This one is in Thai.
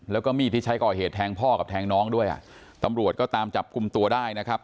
แล้วก็มีดที่ใช้ก่อเหตุแทงพ่อกับแทงน้องด้วยอ่ะตำรวจก็ตามจับกลุ่มตัวได้นะครับ